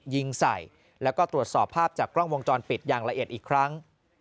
ยิงใส่แล้วก็ตรวจสอบภาพจากกล้องวงจรปิดอย่างละเอียดอีกครั้ง